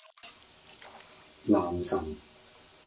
男神